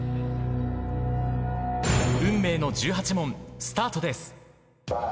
運命の１８問スタートです。